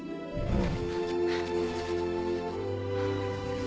うん。